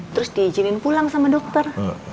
terus diizinin pulang sama dokter